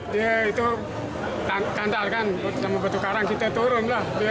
dia itu kandar kan sama batu karang kita turun lah